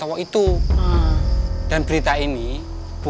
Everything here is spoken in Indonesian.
tapi pak rete jenderal di kampung sina